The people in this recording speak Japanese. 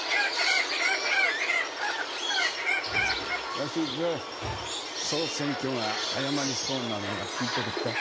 ・鷲津総選挙が早まりそうなのは聞いてるか？